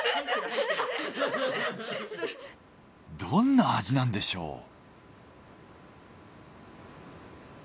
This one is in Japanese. どんな味なんでしょう？